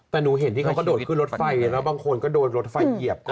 แต่หนูเห็นก็ดูเค้าดูดฟันบีขึ้นรถไฟแล้วก็ดูโดนรถไฟเหยียบ